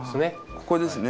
ここですね。